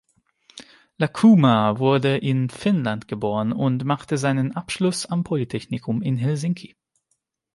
Lakomaa wurde in Finnland geboren und machte seinen Abschluss am Polytechnikum in Helsinki.